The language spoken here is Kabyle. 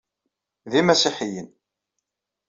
D imasiḥiyen.